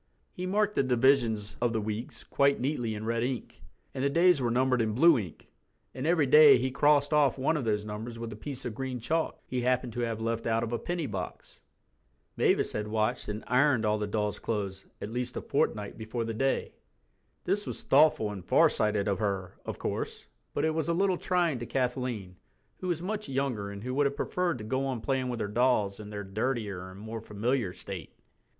He marked the divisions of the weeks quite neatly in red ink, and the days were numbered in blue ink, and every day he crossed off one of those numbers with a piece of green chalk he happened to have left out of a penny box. Mavis had washed and ironed all the dolls' clothes at least a fortnight before The Day. This was thoughtful and farsighted of her, of course, but it was a little trying to Kathleen, who was much younger and who would have preferred to go on playing with her dolls in their dirtier and more familiar state.